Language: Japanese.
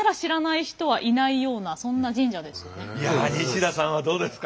あのいや西田さんはどうですか？